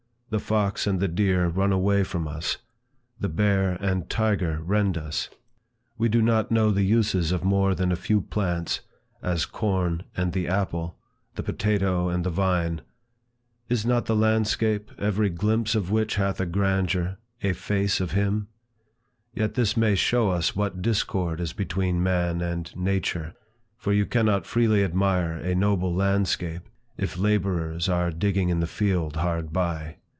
The fox and the deer run away from us; the bear and tiger rend us. We do not know the uses of more than a few plants, as corn and the apple, the potato and the vine. Is not the landscape, every glimpse of which hath a grandeur, a face of him? Yet this may show us what discord is between man and nature, for you cannot freely admire a noble landscape, if laborers are digging in the field hard by.